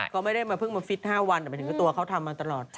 ก็ไม่ได้เพิ่งมาฟิศ๕วันแต่ไปถึงตัวเขาทำมาตลอด